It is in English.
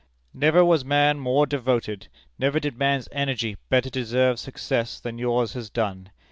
Never was man more devoted never did man's energy better deserve success than yours has done.